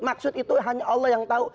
maksud itu hanya allah yang tahu